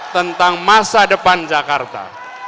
tentang masa depan jakarta